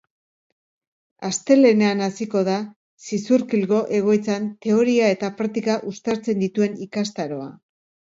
Astelehenean hasiko da Zizurkilgo egoitzan teoria eta praktika uztartzen dituen ikastaroa.